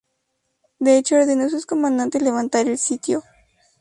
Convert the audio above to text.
De hecho ordenó a sus comandantes levantar el sitio.